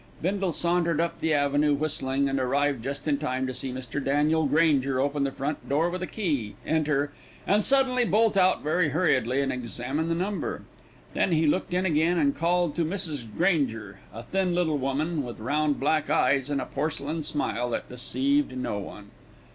Bindle sauntered up the avenue whistling, and arrived just in time to see Mr. Daniel Granger open the front door with a key, enter, and suddenly bolt out very hurriedly and examine the number; then he looked in again and called to Mrs. Granger, a thin little woman, with round black eyes and a porcelain smile that deceived no one.